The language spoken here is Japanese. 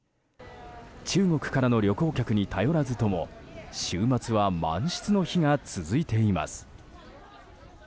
中国からの旅行客に頼らずとも週末は満室の日が続いています。